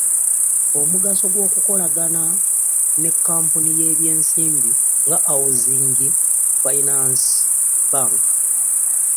Omugaso gw'okukolagana ne kkampuni y'ebyensimbi nga Housing finance bank